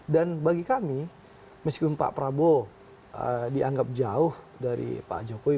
dan bagi kami meskipun pak prabowo dianggap jauh dari pak jokowi